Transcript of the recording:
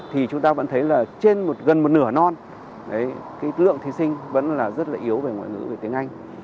thì chúng ta vẫn thấy là trên gần một nửa non cái lượng thí sinh vẫn là rất là yếu về ngoại ngữ về tiếng anh